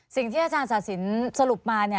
สิ่งที่อาจารย์ศาสินสรุปมา